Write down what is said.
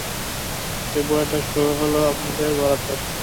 জব্বর একটা শো হলো আপনাদের বরাতে।